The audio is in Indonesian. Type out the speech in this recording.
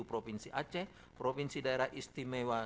provinsi aceh provinsi daerah istimewa